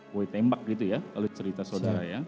boy tembak gitu ya kalau cerita saudara ya